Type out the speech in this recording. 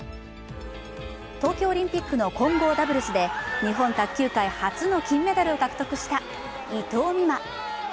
東京オリンピックの混合ダブルスで日本卓球界初の金メダルを獲得した伊藤美誠。